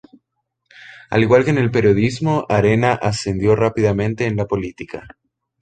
Al igual que en el periodismo, Arena ascendió rápidamente en la política.